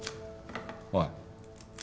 おい。